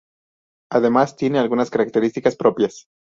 Además, tiene algunas características propias.